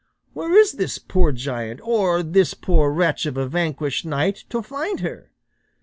Where is this poor giant, or this poor wretch of a vanquished knight, to find her?